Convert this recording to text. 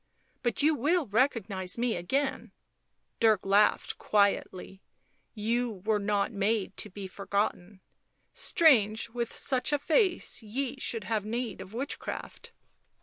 " But you will recognise me again ?" Dirk laughed quietly. " You were not made to be forgotten. Strange with such a face ye should have need of witchcraft."